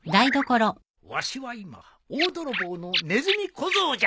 わしは今大泥棒のねずみ小僧じゃ。